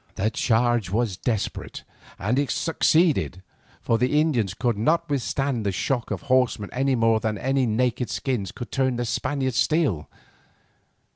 The charge was desperate and it succeeded, for the Indians could not withstand the shock of horsemen any more than their naked skins could turn the Spaniards' steel.